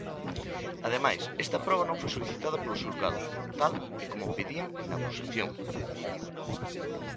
Ademais, esta proba non foi solicitada polo xulgado tal e como pedían na acusación.